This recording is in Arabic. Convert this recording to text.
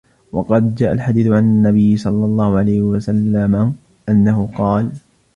وَقَدْ جَاءَ الْحَدِيثُ عَنْ النَّبِيِّ صَلَّى اللَّهُ عَلَيْهِ وَسَلَّمَ أَنَّهُ قَالَ